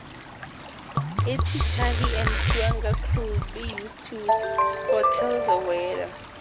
Atutahi and Puanga could be used to foretell the weather.